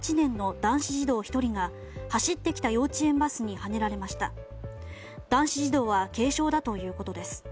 男子児童は軽傷だということです。